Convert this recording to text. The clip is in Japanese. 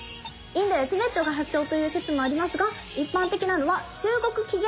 インドやチベットが発祥という説もありますが一般的なのは中国起源説。